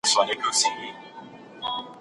ملي ویاړونه د تلوسې احساس زیاتوي.